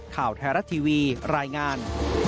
ข่าวไทยรัฐทีวีรายงาน